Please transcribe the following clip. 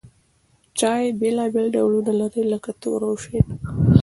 چای بېلابېل ډولونه لري لکه تور او شین.